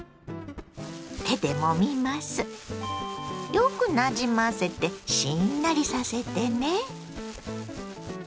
よくなじませてしんなりさせてね。